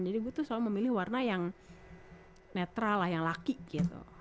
jadi gue tuh selalu memilih warna yang netral lah yang laki gitu